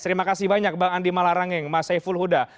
terima kasih banyak bang adi malarangeng mas efon huda